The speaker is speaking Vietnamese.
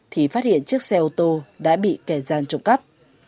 thì phát hiện chiếc xe ô tô đã bị kẻ gian trộm cắp